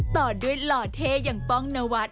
ต่อด้วยหล่อเท่อย่างป้องนวัฒ